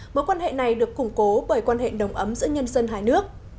mối quan hệ này được củng cố bởi quan hệ đồng ấm giữa nhân dân hai nước